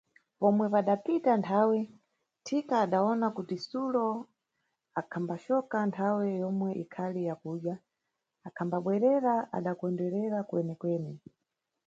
Pomwe padapita nthawe, thika adawona kuti sulo akhambacoka nthawe yomwe ikhali ya kudya, akhambabwerera adakondererwa kwenekwene.